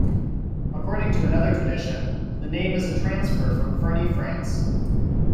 According to another tradition, the name is a transfer from Ferney, France.